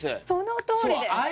そのとおりです！